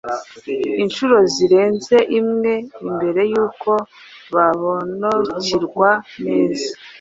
inhuro zirenze imwe mbere yuko baobanukirwa neza